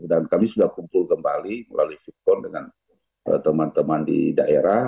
dan kami sudah kumpul kembali melalui vipon dengan teman teman di daerah